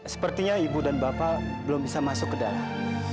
sepertinya ibu dan bapak belum bisa masuk ke dalam